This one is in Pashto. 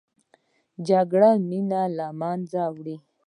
جګړه مینه له منځه وړي